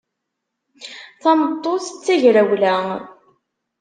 Tameṭṭut d tagrawla.